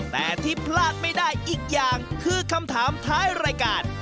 แต่ที่พลาดไม่ได้อีกอย่างคือคำถามท้ายรายการ